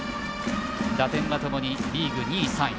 打点は、ともにリーグ２位、３位。